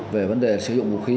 về vấn đề sử dụng vũ khí